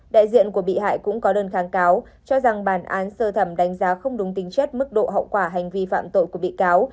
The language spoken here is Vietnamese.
đại diện của bị hại cũng có đơn kháng cáo cho rằng bản án sơ thẩm đánh giá không đúng tính chất mức độ hậu quả hành vi phạm tội của bị cáo